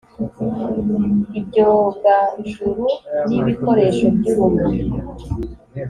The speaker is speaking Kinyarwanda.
ibyogajuru n ibikoresho by urumuri